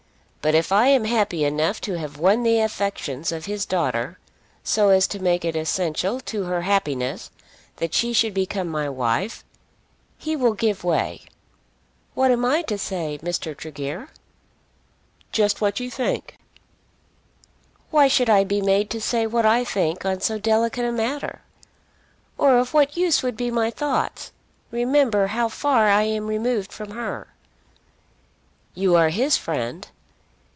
But if I am happy enough to have won the affections of his daughter, so as to make it essential to her happiness that she should become my wife, he will give way." "What am I to say, Mr. Tregear?" "Just what you think." "Why should I be made to say what I think on so delicate a matter? Or of what use would be my thoughts? Remember how far I am removed from her." "You are his friend."